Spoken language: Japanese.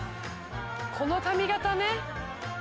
この髪形ね。